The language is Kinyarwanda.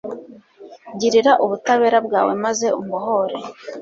Girira ubutabera bwawe maze umbohore